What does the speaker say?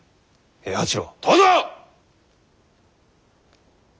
平八郎？